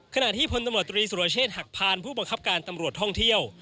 ขณะที่พลตำรวจตรีสุรเชษฐ์หักพานผู้บังคับการตำรวจท่องเที่ยว